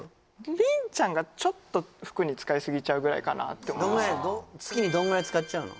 りんちゃんがちょっと服に使いすぎちゃうぐらいかなって思います月にどのぐらい使っちゃうの？